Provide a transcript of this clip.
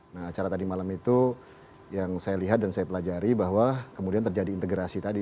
nah acara tadi malam itu yang saya lihat dan saya pelajari bahwa kemudian terjadi integrasi tadi